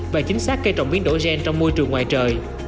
và chính xác cây trồng biến đổi gen trong môi trường ngoài trời